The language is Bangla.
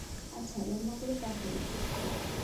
আচ্ছা, লম্বা করে পা ফেলো।